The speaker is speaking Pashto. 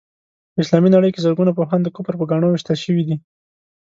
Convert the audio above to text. په اسلامي نړۍ کې زرګونه پوهان د کفر په ګاڼو ويشتل شوي دي.